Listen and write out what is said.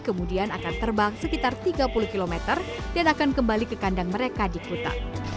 kemudian akan terbang sekitar tiga puluh km dan akan kembali ke kandang mereka di kuta